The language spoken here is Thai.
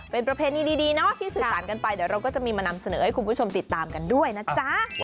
เป็นประเพณีดีเนาะที่สื่อสารกันไปเดี๋ยวเราก็จะมีมานำเสนอให้คุณผู้ชมติดตามกันด้วยนะจ๊ะ